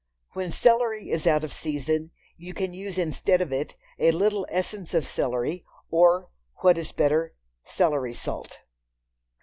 When celery is out of season, you can use instead of it, a little essence of celery, or, what is better, celery salt.